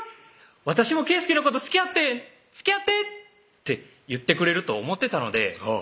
「私も圭祐のこと好きやってんつきあって」って言ってくれると思ってたのであぁ